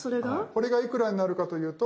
これがいくらになるかというと。